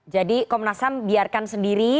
jadi komnas ham biarkan sendiri